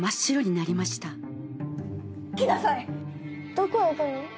どこへ行くの？